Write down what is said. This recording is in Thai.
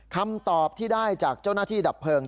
คำตอบที่ได้จากเจ้าหน้าที่ดับเพลิง